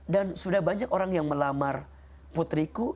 dan sudah banyak orang yang melamar putriku